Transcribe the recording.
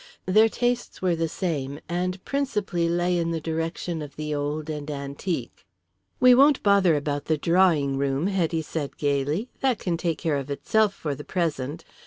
Their tastes were the same, and principally lay in the direction of the old and antique. "We won't bother about the drawing room," Hetty said gaily. "That can take care of itself for the present.